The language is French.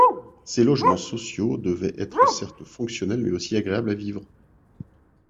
Ces logements sociaux devaient être certes fonctionnels mais aussi agréables à vivre.